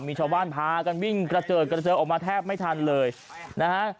มีชาวบ้านพากันวิ่งกระเจิดกระเจิงออกมาแทบไม่ทันเลยนะฮะ